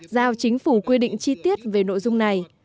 giao chính phủ quy định chi tiết về nội dung này